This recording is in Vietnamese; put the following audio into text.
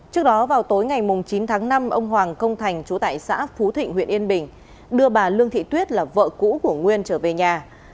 trước đó vào tối ngày chín tháng năm ông hoàng công thành chú tại xã phú thịnh huyện yên bình đưa bà lương thị tuyết là vợ cũ của nguyên trở về nhà